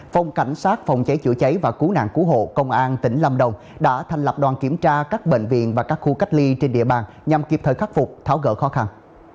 phòng cảnh sát phòng cháy chữa cháy và cú nạn cú hộ công an tp hcm đã thành lập đoàn kiểm tra các bệnh viện và các khu cách ly trên địa bàn nhằm kịp thời khắc phục tháo gỡ khó khăn